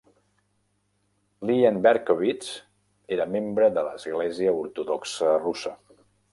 Liane Berkowitz era membre de l'Església ortodoxa russa.